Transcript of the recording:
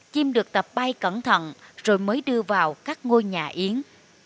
chim được tập bay cẩn thận rồi mới đưa vào các ngôi nhà yến